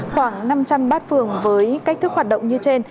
khoảng năm trăm linh bát phường với cách thức hoạt động như trên